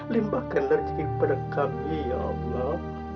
limbahkan rezeki pada kami ya allah